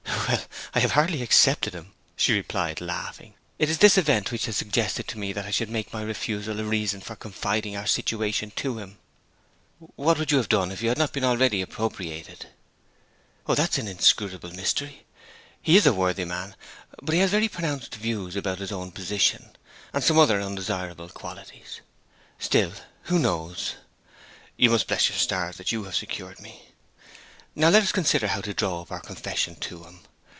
'Well, I have hardly accepted him,' she replied, laughing. 'It is this event which has suggested to me that I should make my refusal a reason for confiding our situation to him.' 'What would you have done if you had not been already appropriated?' 'That's an inscrutable mystery. He is a worthy man; but he has very pronounced views about his own position, and some other undesirable qualities. Still, who knows? You must bless your stars that you have secured me. Now let us consider how to draw up our confession to him.